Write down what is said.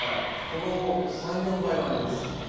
この３４倍はあります。